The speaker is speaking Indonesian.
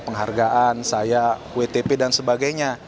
penghargaan saya wtp dan sebagainya